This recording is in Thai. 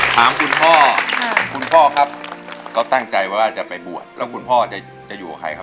ถามคุณพ่อเขาตั้งใจไว้จะไปปวดแล้วคุณพ่อจะอยู่กับใครครับ